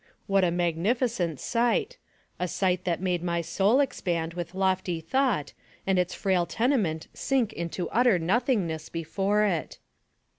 What a magnificent sight a sight that made my soul expand with lofty thought and its frail tenement sink into utter nothing ness before it